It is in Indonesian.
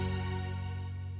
masi desenvolp rebang hal ini